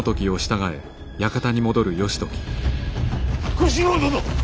小四郎殿！